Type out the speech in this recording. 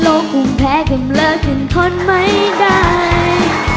โลกภูมิแพ้ผมเลิกถึงทนไม่ได้